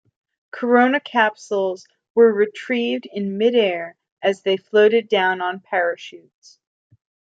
Corona capsules were retrieved in mid-air as they floated down on parachutes.